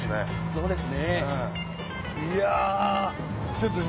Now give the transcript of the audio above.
そうですね。